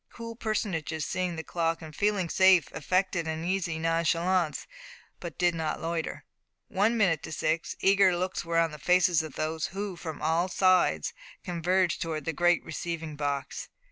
Cool personages, seeing the clock, and feeling safe, affected an easy nonchalance, but did not loiter. One minute to six eager looks were on the faces of those who, from all sides, converged towards the great receiving box.